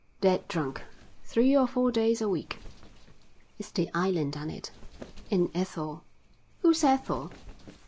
"Dead drunk, three or four days a week. It's the island done it, and Ethel." "Who's Ethel?"